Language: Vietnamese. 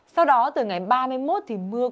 sau đó từ ngày ba mươi một thì mưa